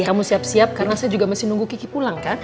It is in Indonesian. kamu siap siap karena saya juga masih nunggu kiki pulang kan